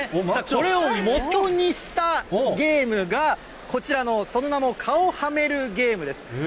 これをもとにしたゲームが、こちらの、その名も、顔、はめるゲームです。